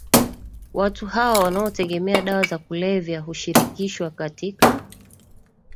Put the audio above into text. watu hawa wanaotegemea dawa za kulevya hushirikishwa katika